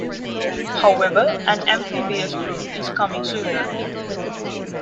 However, an amphibious group is coming sooner.